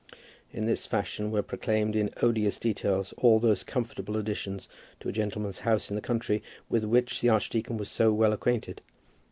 In this fashion were proclaimed in odious details all those comfortable additions to a gentleman's house in the country, with which the archdeacon was so well acquainted.